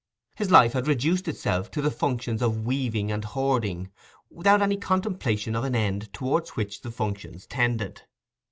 His life had reduced itself to the functions of weaving and hoarding, without any contemplation of an end towards which the functions tended.